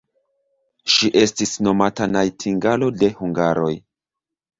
Ŝi estis nomata najtingalo de hungaroj.